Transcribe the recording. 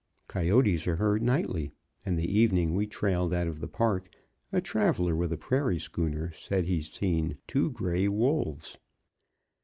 Coyotes are heard nightly, and the evening we trailed out of the Park a traveler with a prairie schooner said he had seen two gray wolves.